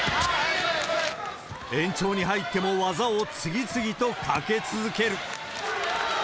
延長に入っても技を次々と掛け続ける。